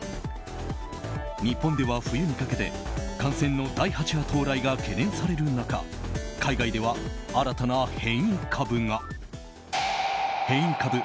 日本では冬にかけて感染の第８波到来が懸念される中海外では新たな変異株が。